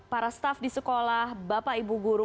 para staf di sekolah bapak ibu guru